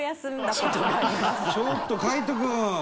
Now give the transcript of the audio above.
ちょっと海人君！